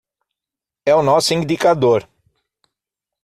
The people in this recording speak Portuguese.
É o nosso indicador